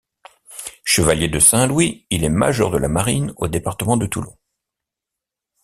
Chevalier de Saint-Louis, il est Major de la Marine au département de Toulon.